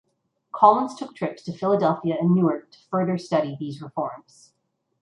Collins took trips to Philadelphia and Newark to further study these reforms.